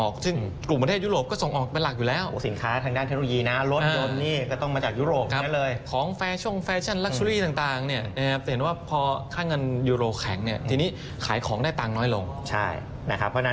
ก็คือแพงกว่าเงินยูโรแขนกัน